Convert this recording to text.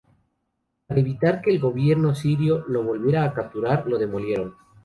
Para evitar que el gobierno sirio lo volviera a capturar, lo demolieron.